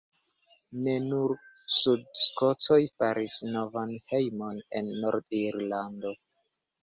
Ne nur sudskotoj faris novan hejmon en Nord-Irlando.